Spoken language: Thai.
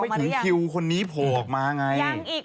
มันยังไม่ถึงคิวคนนี้โผล่ออกมาไง